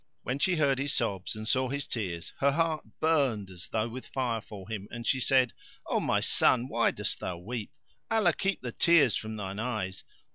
When she heard his sobs and saw his tears her heart burned as though with fire for him, and she said, "O my son, why dost thou weep? Allah keep the tears from thine eyes!